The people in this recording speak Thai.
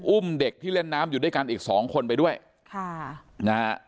อุ้มเด็กที่เล่นน้ำอยู่ด้วยกันอีกสองคนไปด้วยค่ะนะฮะ